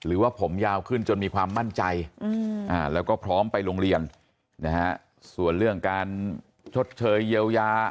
อืมเพราะน้องไม่กล้าไปโรงเรียนใช่ไหมครับ